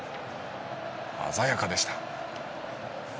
鮮やかでした。